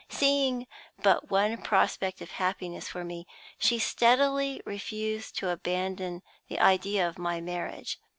Seeing but one prospect of happiness for me, she steadily refused to abandon the idea of my marriage.